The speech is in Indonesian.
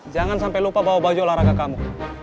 jangan sampai lupa bawa baju olahraga kamu